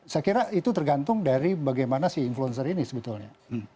saya kira itu tergantung dari bagaimana si influencer ini sebetulnya